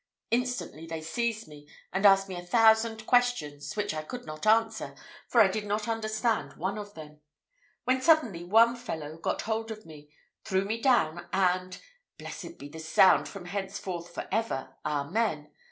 Instantly they seized me, and asked me a thousand questions, which I could not answer, for I did not understand one of them; when suddenly one fellow got hold of me, threw me down, and blessed be the sound from henceforth for ever, Amen!